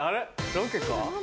ロケか？